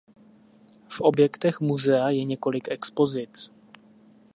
V objektech muzea je několik expozic.